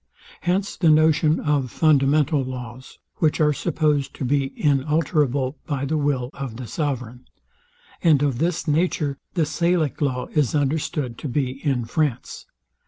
Hence the notion of fundamental laws; which are supposed to be inalterable by the will of the sovereign: And of this nature the Salic law is understood to be in France.